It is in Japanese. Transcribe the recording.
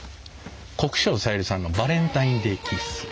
国生さゆりさんの「バレンタインデイ・キッス」。